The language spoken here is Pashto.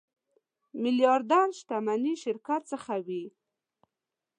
میلیاردر شتمني شرکت څخه وي.